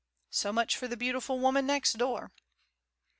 So much for the beautiful woman next door.